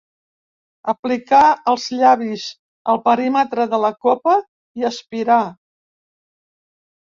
Aplicar els llavis al perímetre de la copa i aspirar.